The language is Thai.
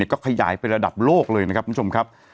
ก็ขยายไประดับโลกเลยนะครับ